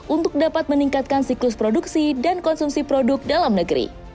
untuk dapat meningkatkan siklus produksi dan konsumsi produk dalam negeri